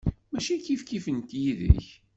Mačči kifkif nekk yid-k.